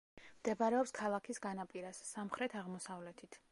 მდებარეობს ქალაქის განაპირას, სამხრეთ-აღმოსავლეთით.